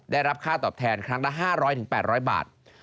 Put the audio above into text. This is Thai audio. ได้รับค่าตอบแทนครั้งละ๕๐๐๘๐๐บาท